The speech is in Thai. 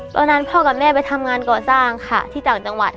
ตอนนั้นพ่อกับแม่ไปทำงานก่อสร้างค่ะที่จังหวัด